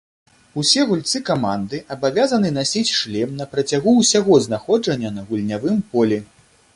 Усе гульцы каманды абавязаны насіць шлем на працягу ўсяго знаходжання на гульнявым полі.